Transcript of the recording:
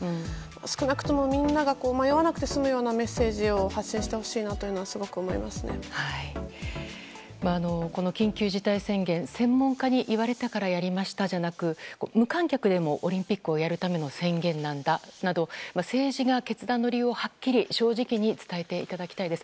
少なくともみんなが迷わなくて済むようなメッセージを緊急事態宣言、専門家に言われたからやりましたじゃなく無観客でもオリンピックをやるための宣言なんだなど政治が決断の理由を正直に伝えていただきたいです。